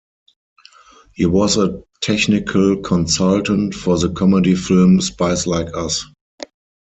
He was a technical consultant for the comedy film "Spies Like Us".